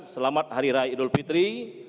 selamat hari raya idul fitri